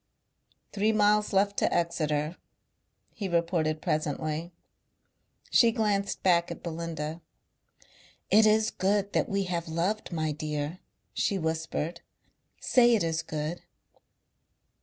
"Three miles left to Exeter," he reported presently. She glanced back at Belinda. "It is good that we have loved, my dear," she whispered. "Say it is good."